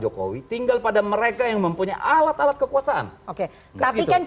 bokowi tinggal pada mereka yang mempunyai alat alat kekuasaan oke tapi cawa pres anda itu menu up predicting